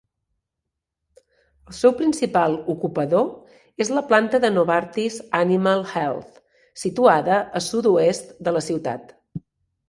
El seu principal ocupador és la planta de Novartis Animal Health situada a sud-oest de la ciutat.